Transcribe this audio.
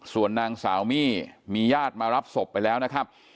ส่วนนางสาวมี่มีญาติมารับศพไปแล้วนะครับ